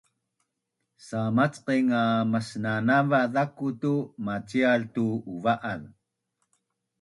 Samacqaing a masnanava zaku tu macial tu uva’az